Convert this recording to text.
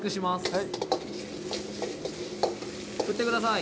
はい振ってください